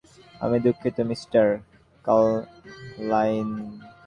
আমি দুঃখিত, mister Carlyle.